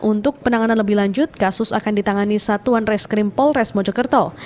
untuk penanganan lebih lanjut kasus akan ditangani satuan reskrim polres mojokerto